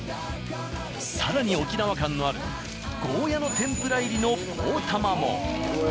更に沖縄感のあるゴーヤの天ぷら入りのポーたまも。